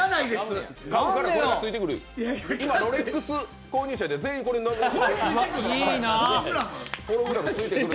今ロレックス購入者全員これついてくる。